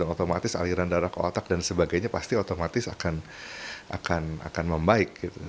dan otomatis aliran darah ke otak dan sebagainya pasti otomatis akan membaik